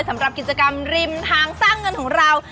สำหรับกิจกรรมริมทางสร้างเงินของเรา